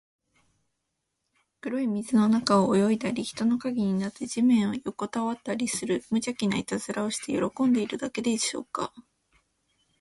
黒い水の中を泳いだり、人の影になって地面によこたわったりする、むじゃきないたずらをして喜んでいるだけでしょうか。